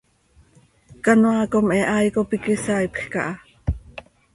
Canoaa com he hai cop iiqui saaipj caha.